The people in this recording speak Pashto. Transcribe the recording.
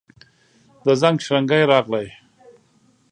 د زنګ شرنګی راغلي